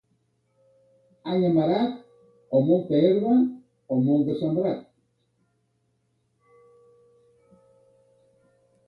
Any amarat, o molta herba o molt de sembrat.